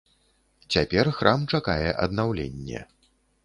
Цяпер храм чакае аднаўленне.